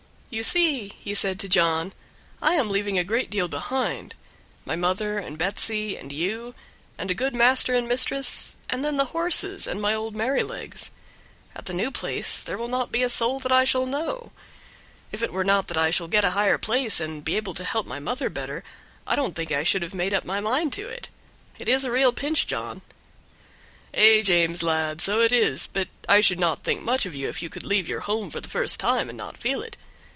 "You see," he said to John, "I am leaving a great deal behind; my mother and Betsy, and you, and a good master and mistress, and then the horses, and my old Merrylegs. At the new place there will not be a soul that I shall know. If it were not that I shall get a higher place, and be able to help my mother better, I don't think I should have made up my mind to it; it is a real pinch, John." "Ay, James, lad, so it is; but I should not think much of you if you could leave your home for the first time and not feel it.